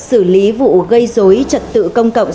xử lý vụ gây dối trật tự công cộng